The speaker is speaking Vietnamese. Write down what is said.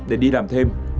để đi làm thêm